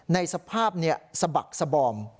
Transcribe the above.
ในสภาพเนี่ยสบักสบอม